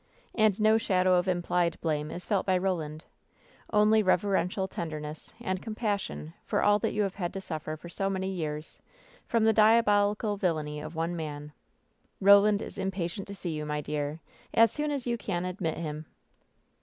And no shadow of implied blame is felt by Roland — only reverential tenderness and compassion for all that you have had to suffer for so many years from the diabolical villainy of one man. Roland is impatient to see you, my dear, as soon as you can admit him."